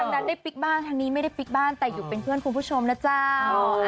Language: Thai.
นั้นได้ปิ๊กบ้านทางนี้ไม่ได้ปิ๊กบ้านแต่อยู่เป็นเพื่อนคุณผู้ชมนะเจ้า